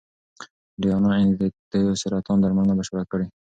ډیانا اینز د تیو سرطان درملنه بشپړه کړې.